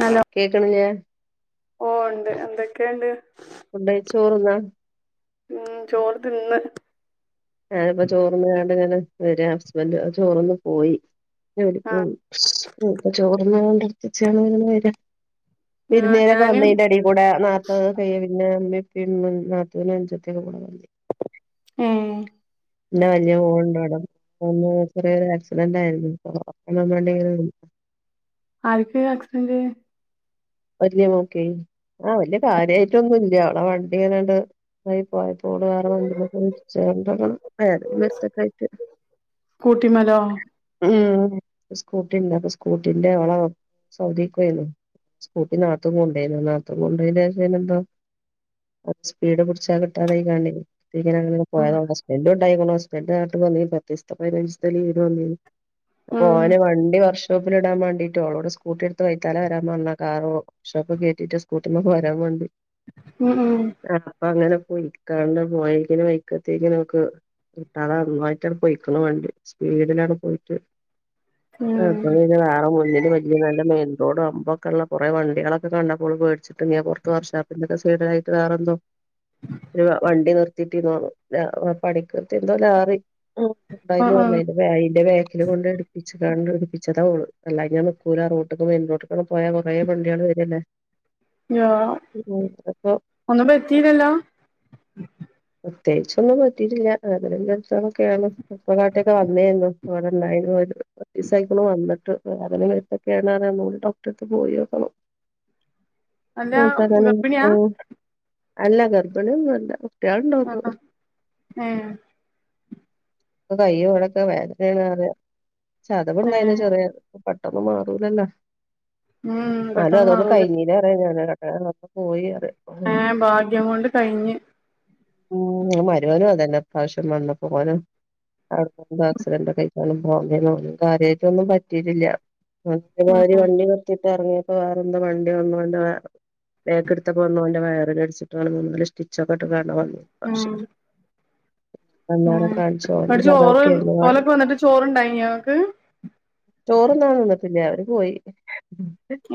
Hello കേക്ണ് ല്ലെ ഓ ഉണ്ട് എന്തൊക്കെണ്ട് ഉണ്ട് ചോറ്ന്നാ ഉം ചോറ് തിന്ന് ഞാനിപ്പം ചോർന്നാണ്ട്ങ്ങനേ വരാ ഹസ്ബന്റ് ചോറൊന്ന് പോയി ആഹ് ടുക്കും ഇപ്പൊ ചോറ്ന്ന [unintelligible] ആഹ് വിരുന്നാരൊക്കെ ഞാന് വന്ന് അയിന്റെ എടിക്കൂടെ [unintelligible] മ്മീം നാത്തൂനും അഞ്ചത്തി വന്നിനി ആ എന്റെ വലിയ മോള് ണ്ട് വടെ വു ചെറിയൊരു ആക്സിഡന്റ് ആയിരുന്നു അപ്പൊ അ വേണ്ടങ്ക ആർക്ക് ആക്സിഡന്റ് വലിയ മോൾക്കേ ആ വല്യ കാര്യയിട്ടൊന്നുംല്ല ഓളെ വണ്ടിങ്ങനണ്ട് തായി പോയതാ ഓള് വേറെ വണ്ടിമ്മ പോയി ഇടിച്ചാണ്ട് ആണ് അയാക് വര്ത്തക്ക ആയിട്ട് സ്കൂട്ടിമലോ ഉം സ്കൂട്ടിണ്ട് അപ്പൊ സ്കൂട്ടിന്റെ ഓളോ സൗദിക്കു പോയിന് സ്കൂട്ടി നാത്തൂൻ കൊണ്ടോയതാ നാത്തൂൻ കൊണ്ടോയെന് ശേഷം എന്തോ സ്പീഡ് പിടിച്ചാകിട്ടാതെ അഴിക്കണ്ട് ഉം [unintelligible] ണ്ടായ്ക്ന് ഹസ്ബൻഡ് നാട്ടിക്ക് വന്നീൻ പത്തീസ്ത പൈനാച്ചീസ്ത്തെ ലീവിന് വന്നീന് അപ്പൊ ഉം ഓന് വണ്ടി വർഷോപ്പില് ഇടാൻ വേണ്ടീട്ട് ഓളോട് സ്കൂട്ടി ഇടുത് വൈത്താല വരാൻ പറഞ്ഞൻ കാറോ വർക്ക്ഷോപ്പിൽ കേറ്റിട്ട് സ്കൂട്ടിമേൽ പോരാൻ വേണ്ടി ഉം ഉം ആഹ് അപ്പൊ അങ്ങനെ പൊയിക്കാണ്ട് പോയിക്കന് വയ്ക് ലെത്തിയപ്പോയകിട്ടാതെ നന്നായിട്ടാണ് പൊയിക്കണ് വേണ്ടി സ്പീഡിലാണ് പോയിട്ട് ഉം അപ്പൊ പിന്നെ വേറെ മുന്നിൽ ലിയ നല്ല മൈൻ റോഡ് ആകുമ്പം ക്കള്ള കുറെ വണ്ടിളൊക്കെ കണ്ടപ്പോ ഓള് പേടിച്ചിട്ട് ഇങ്ങേ പുറത്ത് വർഷോപ്പിന്റെ സൈഡിലായിട്ട് വേറെന്തോ ഒരു വണ്ടി നിർത്തിട്ട് പണിക്ക് നിർത്തി എന്തോ ലാറി ഉം ഉണ്ടായിന്ന് ആഹ് ആഹ് പറഞ്ഞിലേ അയ്ന്റെ ബാക്കിൽ കൊണ്ടോയി ഇടിപ്പിച്ച് കാണ്ട് ഇട്പ്പിച്ചതാ ഓള് അല്ലായ്ഞ്ഞാ നിക്കൂല റോഡ്‌ക്ക് വര്നോൽക്കും പോയാ കുറെ വണ്ടീയാള് വരല്ലേ ആ ഉം അപ്പൊ ഒന്നും പറ്റീലല്ലോ പ്രത്യേകിച്ചൊന്നും പറ്റീട്ടില്ല വേദനീം വരുത്തൊക്കെയാണ് ഡോക്ടറെ കാട്ടിയൊക്കെ വന്നതെന് ഇവിടെയുണ്ടായീന് ഓൾ കുറച്ചീസം ആയിക്ക്ണ് വന്നിട്ട് വേദനീം വെരുത്തം ഒക്കെ ആണെന്ന് പറയുന്നുണ്ട് പോയോക്കണം അല്ല ആ അത് ഗർഭിണിയാ ആഹ് അല്ല ഗർഭിണി ഒന്നും അല്ല കുട്ടികളുണ്ടായിരുന്നു ആഹ് ഏഹ് ഇപ്പൊ കയ്യും അവിടൊക്കേ വേദനേണ് പറ ചതവ് ഇണ്ടായീന് ഏഹ് ചെറിയ പെട്ടെന്ന് മാറൂലല്ലോ ഉം ഇന്നാലും പെട്ടെന്ന് അതോണ്ട് മാറൂലേ കയെഞ്ഞിലേന്ന് പറ പോയി അറ ആ ഭാഗ്യം കൊണ്ട് കഴിഞ്ഞ് ഉം മരോനും അതയന്നെ ഇപ്രാശ്യം വന്നപ്പോ ഓനും ആക്സിഡന്റ് ഒക്കെ [unintelligible] കാര്യായ്ട്ടൊന്നും പറ്റീട്ടില്ല [unintelligible] ഉം മാരി വണ്ടി നി ഇറങ്ങിയപ്പോ വേറെന്താ വണ്ടി വന്ന് ഓന്റെ ബേക്ക് ഇടുത്ത വന്നപ്പോ എടുത്തപ്പോ ഓന്റെ വയറിലിടിച്ചിട്ടാണ് മുമ്പിൽ സ്റ്റോപ്പിൽ രക്ഷപ്പെട്ട്കാണ്ട് വന്ന് ഉം ഉം അന്നേരം കാണിച്ചാലും ഇങ്ങട്ട് ചോറ് ചതവോക്കേര്ന്നു ഓലൊക്കെ വന്നിട്ട് ചോറുണ്ടായിനോ ഇങ്ങക്ക് പോയി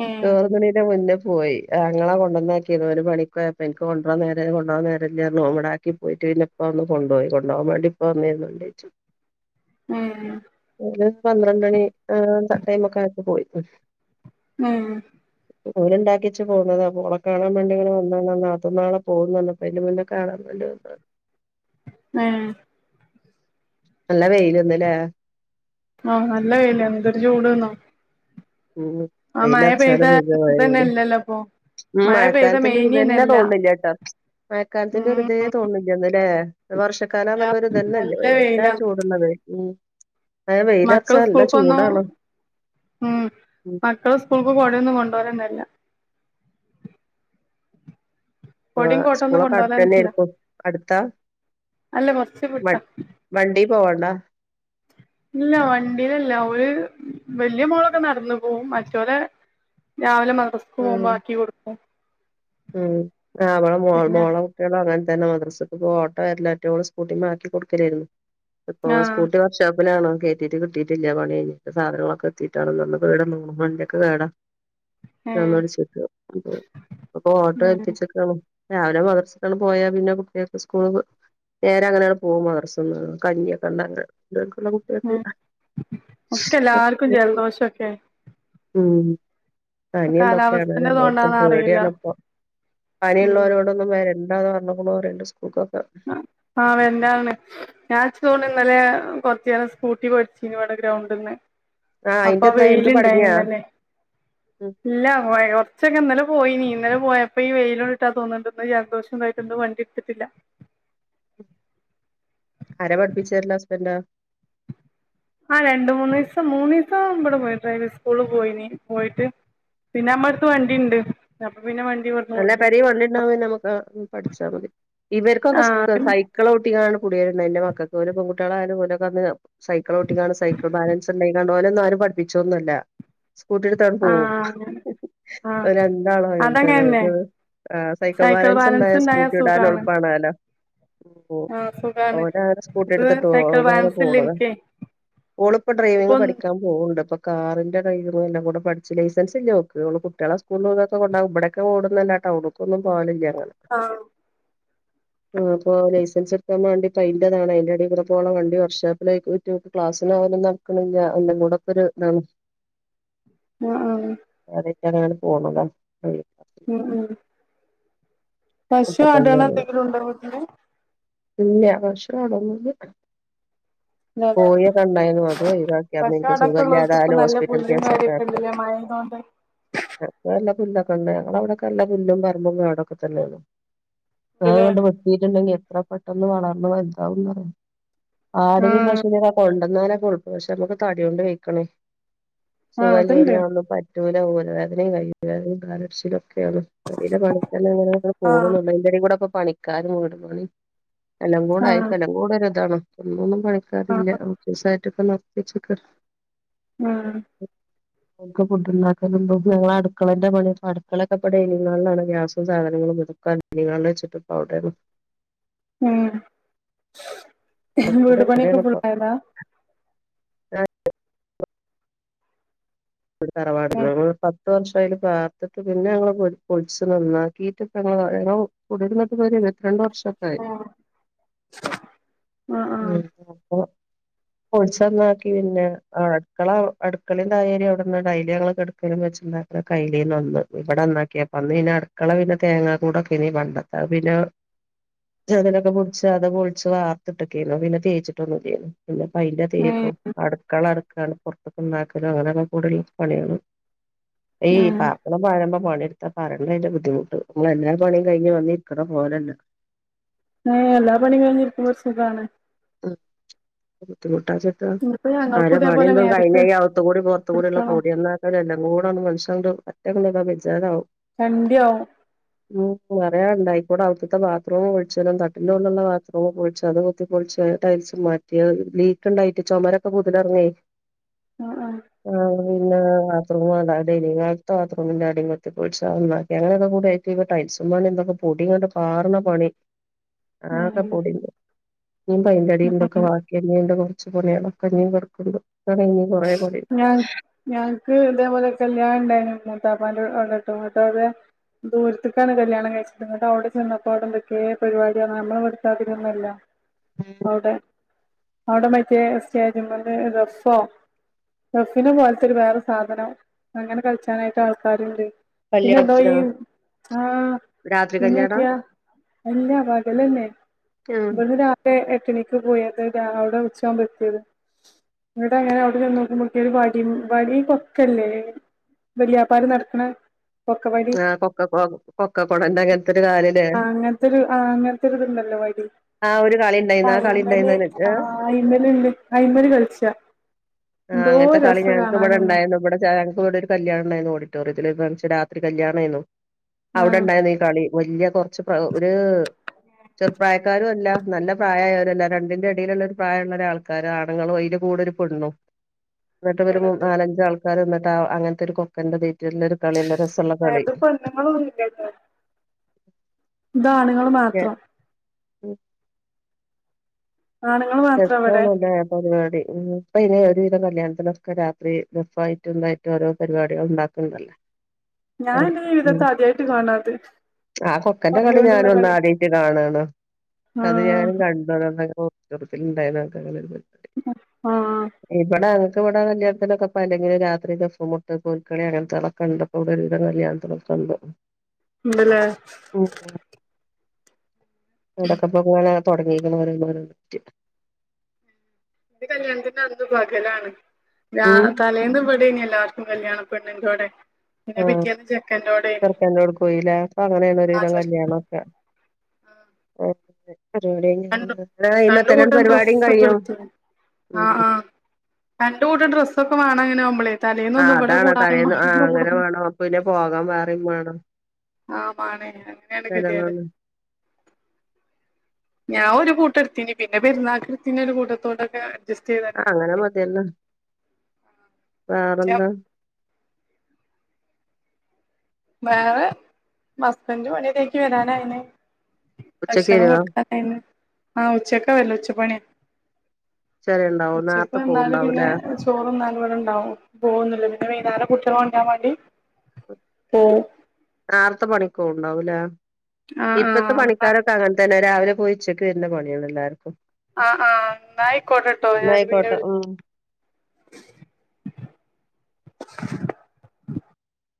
ഏഹ് ചോറിന്ന്ണീന്റെ മുന്നെ പോയി ആങ്ങളെ കൊണ്ടന്നാക്കീന്നു ഓന് പണിക്കോയപ്പം ഇൻക്ക് ഇൻക്കൊണ്ട്രാൻ നേര കൊണ്ടോവാൻ നേരല്ല്യാന്നോ ഓൻ ഇവ്ടെ ആക്കി പോയിട്ട് പിന്നെ അയലെപ്പ വന്ന്കൊണ്ടോയി കൊണ്ടോവാൻ വേണ്ടി ഇപ്പ വന്നിരുന്നുണ്ടച്ചു ഉം ഉം ഒരു പന്ത്രണ്ട് മണി ടൈമൊക്കായപ്പോ പോയി ഉം ഓലിണ്ടാക്കി വെച്ച് പോന്നതാണ് അപ്പൊ ഓളെ കാണാൻ വേണ്ടി അങ്ങനെ വന്നതാണ് നാത്തൂൻ ഓക്കേ നാളെ പോകും അപ്പോ അയിന് മുൻപ് കാണാൻ വേണ്ടി വന്നതാണ് ഏ നല്ല വെയില്ന്ന്ല്ലേ ആഹ് നല്ല വെയ്ല് എന്ത് ഒരു ചൂട്ന്നോ ഉം ആ മഴ പെയ്ത ഇതന്നെ ഇല്ലല്ലോ ഇപ്പൊ മഴ പെയ്ത മഴക്കാലത്തിന്റെ ഒരു ഇതെന്നെ മേനിയനല്ല തോന്ണില്ല ട്ടോ മഴക്കാലത്തിന്റെ ഉം ഒരിതേ തോന്നില്ലന്ന്ല്ലേ വർഷക്കാലാന്നുള്ളൊരു ഇതെന്നെല്ല നല്ല എന്താ വെയിലാണ് ചൂട് ന്നറീയോ അത വെയിലൊർച്ച മക്കള് നല്ല സ്കൂൾക്കൊന്നും ചൂടാണ് ഉം ഉം മക്കള് സ്കൂൾക്ക് കൊടെന്നുകൊണ്ടോലെന്നെല്ലാ കൊടിൻ ആഹ് കോട്ടൊന്നും സ്കൂളൊക്കെ കൊണ്ടോലെന്നെല്ല അടുത്തന്നെയായിരിക്കും അടുത്താ അല്ല കൊർച്ച്‌ വ വുട്ട വണ്ടി പോവണ്ടാ ഇല്ല വണ്ടീലല്ല ഓല് വല്ല്യ മോളൊക്കെ നടന്നു പോകും മറ്റോലെ രാവിലെ മദ്- ഇപ്പ ഉം സ്കൂമാക്കി കൊടുക്കും ഉം ആ അവള മോ പിന്നെ മോള കുട്ടികളും അങ്ങനെ ത ന്നെ മദ്രസക്ക് പോവാൻ ഓട്ടോ വരില്ല [unintelligible] സ്കൂട്ടീമേ ആക്കികൊടുക്കലായിരുന്നു. ഇപ്പോ ആഹ് സ്കൂട്ടി വർക്ഷാപ്പിലാണ്. കയറ്റീട്ട് കിട്ടിട്ടില്ല പണി കഴിഞ്ഞിട്ട് സാധനങ്ങളൊക്കെ എത്തിട്ടാണന്ന് [unintelligible] വണ്ടിയൊക്കെ കേടാ ഏഹ് [unintelligible] അപ്പൊ ഓട്ടോ ഉം എൽപ്പിച്ചേക്കേണ്. രാവിലെ മദ്രസക്കങ്ങട് പോയാ പിന്നെ കുട്ടികൾക്ക് സ്കൂൾ നേരെ അങ്ങനെയങ്ങട് പോകും മദ്രസ്ന്ന് കഞ്ഞിയൊക്കെ ഇണ്ടാക്കാൻ ഉം ഒക്കെ എല്ലാർക്കും ജലദോഷൊക്കെ ഉം പനി എന്തൊക്കെയാണ് കാലാവസ്ഥന്റെത് എല്ലോടത്തും കൊണ്ടാന്ന് അറിയില്ല പേടിയാണ്. ഉം പനിയുള്ളവരോടൊന്നും വരെ ണ്ടാന്ന് പറഞ്ഞേക്കണു രണ്ടു സ് ആ വെരണ്ടാ പറഞ്ഞു ഞാൻ സ്കൂ ഇന്നലെ കൊറച്ച്നേരം സ്കൂട്ടി പടിച്ചിനു ഇവിടെ ഗ്രൗണ്ടിന്ന്. ആഹ് അയിന്റെ അപ്പൊ എന്തായി വെയിൽ അനക്ക് ഇണ്ടായി പടിഞ്ഞാ ഇന്നലെ ഉം ഇല്ല കുറച്ചൊക്കെ പോയി നീ ഇന്നല പോയപ്പോ ഈ വെയിലൊണ്ടിട്ടാ തോന്നിണ്ട് ഇന്ന് ജലദോഷം ഇണ്ടായിട്ടിണ്ട് വണ്ടി ഇടുത്തിട്ടില്ല. ആരാ പഠിപ്പിച്ചെരല് ഹസ്ബന്റാ? ആഹ് രണ്ട മൂന്ന് ദിവസം മൂന്ന് ദിവസം ഇവിടെ പോയി ഡ്രൈവിങ്ങ് സ്കൂള് പോയി പോയിട്ട് പിന്നെ നമ്മളടുത്ത് വണ്ടിയുണ്ട്. നല്ല പെരേ വണ്ടിണ്ടാവുമ്പോ നമുക്ക് പഠിച്ചാൽ മതി ആ ഇവർക്കൊക്കെ സൈക്കിൾ ചവിട്ടിങ്ങാട് [unintelligible] എന്റെ മക്കൾക്ക് ഓര് പെൺകുട്ടിളായാലും ഓലൊക്കെ അന്ന് സൈക്കിൾ ചട്ടിക്കാണ് സൈക്കിൾ ബാലൻസ് ഉണ്ടായി കാ- ഓനെ ഒന്നും ആരും പഠിപ്പിച്ചോന്നല്ല. സ്കൂട്ടി എടുത്താട് ആ പോവും അങ്ങനെ ആ ഒരു രണ്ടാളായോ അതെ അതങ്ങനന്നെ അത് ആ സൈക്കിൾ ബാലൻസ് ഉണ്ടായ സ്കൂട്ടി ഇടാൻ എളപ്പമാണല്ലോ ആഹ് സുഖാണ് ഓരവരെ സ്കൂട്ടി ഇത് എടുത്തിട്ട് സൈക്കിൾ പോവും ബാലൻസ് ഇല്ല [unintelligible] എനിക്കേ ഓളിപ്പോ ഡ്രൈവിങ് എനിക്കൊന്ന് പഠിക്കാൻ പോവണ്ട് ഇപ്പോ കാറിന്റെ ഡ്രൈവ് എല്ലാം കൂടെ പഠിച്ച് ലൈസൻസ് ഇല്ല ഓൾക്ക് ഓള് കുട്ടികളെ സ്കൂളൊക്കെ കൊണ്ടാക്കും ഇബടക്കെ ക്കെ ഓടുന്നല്ലാതെ ടൗണുക്കൊന്നും പോകലില്ല. ആഹ് ആ അപ്പോ ലൈസൻസ് എടുക്കാൻ വേണ്ടി ഇപ്പ അയിന്റതാണ് അയിന്റെ അടി കൂടെ പോകണം വണ്ടി വർക്ക് ഷാപ്പിലായി പോയിറ്റ് ഓക്ക് ക്ലാസ്സിന് പോവാനും നടക്കണില്ലാ എല്ലാം കൂടെ ഒക്കൊരു ഇതാണ്. ആ ആ ആ അങ്ങനെയാണ് പോന്നതാ പ ഉം ഉം പശോ ഇപ്പൊ ആടുകളോ എന്തെങ്കിലും ഉണ്ടൊ വീട്ടില് പിന്നെ ആകാഷാണന്ന് [unintelligible] ഇല്ലല്ലേ കോയിക്കെ ഇണ്ടായിരുന്നു അത് ഒഴിവാക്കി പശു അന്നിൻക്ക് ആടൊക്കെ ഉള്ളവർക്ക് ഇപ്പൊ സുഖമില്ലാതാവലും നല്ല ഹോസ്പിറ്റൽ പുല്ലും കേസൊക്കെ കാര്യൊക്കെ ആയപ്പം ഉണ്ടല്ലേ മഴയായതുകൊണ്ട് [unintelligible] ഞങ്ങളവിടെക്കെല്ല പുല്ലുംപറമ്പും കാടും ക്കെ തന്നേള്ളു ഉണ്ടല്ലേ കാട് വെട്ടിയിട്ടുണ്ടെങ്കിൽ എത്ര പെട്ടെ പെട്ടന്ന് വളർന്ന് വലുതാവുന്നറിയോ ആടിനും ആഹ് പശുവിനെ ഒക്കെ കൊണ്ടന്നാലൊ പക്ഷെ നമുക്ക് തടിയോണ്ട് വൈക്കണേ ആഹ് സുഖല്യേനി അതുണ്ട് അഒന്നും പ റ്റൂര ഊരവേദനയും കൈ വേദനയും കാലടച്ചിലൊ ഒക്കെയാണ് പേരിലപണിക്ക് അ ങ്ങനെയാണ്ട് ആഹ് പോകുന്നുണ്ട് അതിന്റെ ഇടിയിൽ കൂടെ ഇടപ്പ പണിക്കാരും വീട് പണിം എല്ലം കൂടെ ആഹ് ആയിട്ട് എല്ലം കൂടെ ഒരു ഇതാണ് എന്നൊന്നും പണിക്കാരില്ല ആഹ് കുറച്ച്സായിട്ടി ഒറ്റക്കാണ് ഒപ്പിച്ചക്കാ ആ ഓൽക്ക് ഫുഡ്ണ്ടാക്കലും തും അടുക്കളന്റെണി അടുക്കളൊക്കെപ്പം ഡൈനിങ് ഹാളിലാണ് ഗ്യാസും സാധനങ്ങളുംന്നിട്ട് ഡൈനിഹാളിൽ വെച്ചിട്ട് ഇപ്പം അവിടെയാണ് ഉം വീടു പണിയൊക്കെ ഫുൾ ആയതാ ആ തറവാട്ന്നാ ആഹ് ത്ത് വർഷായിലെ പാർത്തിട്ട് പിന്നെ ഞങ്ങ പൊളിച്ച് നന്നാക്കിയിട്ട് ഇപ്പം ഞങ്ങള് ഞങ്ങള് കുടിയിരിന്നിട്ട് പ്പം ഒര് ഇരുപത്തിരണ്ട് വർഷ ക്കായി ആഹ് ആഹ് ഉം അപ്പോ പൊളിച്ചന്നാക്കി പിന്നെ അടുക്കള അടുക്കള തായരി അവിടെ ഡൈലി ഞങ്ങൊക്കെ കെടക്കലും വെച്ച്ണ്ടാക്കയില്ലേനി ഇവിടെ ന്നാക്കിയപ്പ അന്ന് പിന്നെ അടുക്കള പിന്നെ തേങ്ങാ കൂടൊക്കെനീ പണ്ടത്ത പിന്നെ ചനലൊക്കെപൊളിച്ച് അത് പൊളിച്ച് വാർത്ത്ട്ടക്കേനു പിന്നെ തേച്ചിട്ടൊന്നും ഇല്ലേനി പിന്നെ പയിന്റെ ഉം തേപ്പും അടുക്കള അടു ക്കാണ് പൊറത്തൊക്കെ ഇണ്ടാക്കലും അങ്ങെനൊക്കെ കൂടൽ പണിയണം ഏയ് ഉം പാപ്പന പഴമ്പം പണിയെടുത്താ പറെണ്ട അയിന്റെ ബുദ്ധിമുട്ട് നമ്മൾ എല്ലാ പണിം കഴിഞ് വന്നി ഇരിക്കണ പോലല്ല എഹ്, എല്ലാ പണിം കഴിഞ്ഞ് ഇരിക്കുമ്പോൾ സുഖമാണ്. ആഹ് [unintelligible] ഇന്നിപ്പോ ഞങ്ങൾക്കും ആരെ ഇതേപോലെ പണിയെന്തും മേലക്ക് കഴിഞ്ഞ്ഈ അകത്ത്കൂടി പുറത്ത്കൂടിള്ള എടുക്കണം പൊടിയന്നാക്കൽ എല്ലംകൂടെ മനുഷ്യൻ ആണ്ട് പറ്റ [unintelligible] വെച്ചാതാവും ചണ്ടിയാവും [unintelligible] അവ്തിത്തെ ബാത്‌റൂമ് പൊളിച്ചതും തട്ടിന്റെ നെറുവിലുള്ള ബാത്‌റൂമ് പൊളിച്ചലും [unintelligible] പൊളിച്ചാ ടൈൽസ് മാറ്റാ ലീക്ക് ഇണ്ടായിട്ട് ചൊമരൊക്കെ പൂതലെറങ്ങെ ആ ആ [inaudible] ആഹ് പിന്നെ ബാത്റൂമിന്റെ അടിം ടൈനിംഗ് ഹാളിത്തെ ബാത്‌റൂമിന്റെ അടിം കുത്തി പൊളിച്ച് അത് നന്നാക്കി. ഞങ്ങൾ വന്നപ്പോ ടൈയിൽസും പണി പൊടിങ്ങട്ട് പാറ്ണ പണി ആകെ പൊടിണ്ട്. ന്നും പൈന്റ്അടിം ഇതൊക്കെ ബാക്കിയല്ലേ [unintelligible] [unintelligible] അപ്പം [unintelligible] ഞാ ഞങ്ങൾക്ക് ഇതേപോലെ കല്യാണണ്ടായിരുന്നു. മൂതാപ്പാ അവിടെ ട്ടോ, എന്നിട്ട് അത് ദൂരത്തക്കാണ് കല്യാണം കഴിച്ചത്. ഇങ്ങട്ട് അവിടെ ചെന്നപ്പോ അവിടെ എന്തൊക്കെ പരിപാടിയാണ്. നമ്മളെ ഇവിടുത്താതിരിയല്ല. അവ്ടെ അവിടെ മറ്റേ സ്റ്റേജ്മല് ദഫൊ ഗഫില് പോലത്തെ വേറെ ഒരു സാധനം, അങ്ങനെ കളിച്ചാനായിട്ട് ആൾക്കാര്ണ്ട്. പിന്നെ എന്തോ ഈ കല്യാണത്തിനോ ആഹ് രാത്രി കല്യാണാ പിന്നെനൊക്കിയ എല്ല പകലഞ്ഞേ. ഉം ഇവിടുന്ന് രാത്രിയാ പണിക്ക് പോയാണ്ട് അവിടെ ഉച്ചയാകും എത്തിയത്. എന്നിട്ട് അങ്ങനെ അവിടെ വന്ന് നോക്കിയപ്പോ ഒരു വടി വടിയൊക്കല്ലേ വല്യപ്പര് നടക്ക്ണെ ആഹ് കൊക്കകൊ കൊക്ക കൊടന്റെ അങ്ങനത്തൊരു കാല് ലെ ആഹ് അങ്ങനത്തൊരു ആഹ് അങ്ങനത്തൊരു ഇതുണ്ടല്ലോ [inaudible] അയിമല് ആഹ് അയിമല് ഉണ്ട് അയിമല് കളിച്ചാ ആഹ് എന്തോ അങ്ങത്തെ കളി രസ ഞങ്ങക്ക് ഇവിടെ കാണാനൊന്നും ഉണ്ടായിരുന്നു. ആഹ് ഞങ്ങൾക്ക് ഇവിടെ ഒരു കല്യാണം ഇണ്ടായിരുന്നു ഓഡിറ്റോറിയത്തില് [unintelligible] രാത്രി കല്യാണായിരുന്നു. അവിടെ ആഹ് ഇണ്ടായിരുന്നു ഈ കളി വലിയ കൊറച്ച്, ഒരു ചെറുപ്രായ ക്കാരും അല്ല നല്ല പ്രായാരൊലുമല്ല, രണ്ടിന്റെ ഇടയിലുമുള്ള പ്രായള്ള ആൾക്കാര്, ആണുങ്ങളും അയിൻ്റെ കൂടെയൊരു പെണ്ണും എന്നിട്ട് ഇവരു ഏത് നാലഞ്ച ആൾ [unintelligible] അങ്ങനത്തെ ഒരു കൊക്കന്റെ ഇ ഇത് പെണ്ണുങ്ങളൊന്നുല്ലലോ, ഇതാണ്ങ്ങൾ മാത്രം മ്മ് [inaudible] ആണുങ്ങൾ മാത്രം ഇവിടെ ദഫാണല്ലേ പരിപാടി മ്മ് ഇപ്പയിന് ഒരു വിധ കല്യാണത്തിനൊക്കെ രാത്രി ദഫായിട്ടും തായിട്ടും ഓരോ പരിപാടികൾ ഇണ്ടാക്ക്ൻണ്ടല്ലോ ഞാൻ എന്റെ ജീവിതത്തി [unintelligible] ആദ്യായിട്ട് കാണാത് ആഹ് കൊക്കന്റെ കളി വടിയോണ്ടുള്ള ഞാനും അന്ന് കളി ആദ്യായിട്ട് കാണാണ്. അത് ആഹ് ഞാനും [unintelligible] ഓഹ് [unintelligible] ആഹ് ഇവിട കല്യാണത്തിനൊക്കെപ്പൊ അല്ലെങ്കിൽ രാത്രി ദഫ് മുട്ട് കോൽക്കളിങ്ങനത്തൊക്കെ ഉണ്ടപ്പോ ഇവിടെ ഒരുവിധം കല്യാണത്തിനൊക്കെ ഉണ്ട് ഉണ്ട്ല്ലേ എവിടൊക്കെ പോകുവാനാ തുടങ്ങീക്കണ് ഓരോ ഹിമാറ്കള് [unintelligible] ഇത് കല്യാണത്തിന്റെ അന്ന് പകലാണ്. ഞാ ഉം തലേന്നും ഇവിടെനല്ലേ എല്ലാവർക്കും കല്യാണ പെണ്ണിൻ്റൊടെ ആഹ് ചെറുക്കൻ്റാടെ പോയില്ലെ ഇപ്പം അങ്ങനാണ് ഒരു ആഹ് വിധം ചെർ കല്യാണം ഒക്കെ രണ്ട് രണ്ട് അയ്മെതന്നെ കൂട്ടം പരിപാടിയും ഡ്രസ്സൊക്കെ കഴിയും എടുത്തു ആഹ് ആഹ് രണ്ട് കൂട്ടം ഡ്രസ്സൊക്കെ വാങ്ങണെനോ നമ്മള് ആ അതാണോ തലേന്ന് ആഹ് അങ്ങനെ വേണം അപ്പ പിന്നെ പോകാൻ വേറയും വേണം ആഹ് മാണേ അങ്ങനെയാണ് ഗതികേട് ചെലവാണ് ഞാൻ ഒരു കൂട്ടം എടുത്തിന് പിന്നെ പെരുന്നാക്ക് എടുത്തീനി ഒരു കൂട്ടത്തോടൊക്കെ അഡ്ജസ്റ്റ് ചെയ്ത് ആ അങ്ങനെ പോയി മതിയല്ലോ പക്ഷെ വേറെന്താ വേറെ ഹസ്ബൻഡ് പണിയൊ [unintelligible] വരാനായീന്ന് ഉച്ചക്ക് ഭക്ഷണം വരുവോ കൊടുക്കാനായീന്ന് ആഹ് ഉച്ചക്കാ വരല് ഉച്ച പണി ഉച്ചവരെയുണ്ടാവൂ നര്ത്തെ പോവണ്ടാവൂലേ ഇവിടണ്ടാവും പോകുന്നില്ല പിന്നെ വൈന്നാരം കുട്ട്യളെ കൊണ്ടരാൻ മാണ്ടി പോവും ആർത്ത പണിക്കൊ ഒണ്ടാവൂലേ ആഹ് ഇപ്പത്തെ ആഹ് പണിക്കാരൊക്കെ അങ്ങനെ തന്നെ രാവിലെ പോയിഉച്ചക്ക് വര്ന്ന പണിയാണ് എല്ലാർക്കും ആഹ് ആഹ് ന്നായിക്കോട്ടെട്ടോ എന്നാ ഞാൻ പിന്നെ ആയിക്കോട്ടെ ഉം വിളി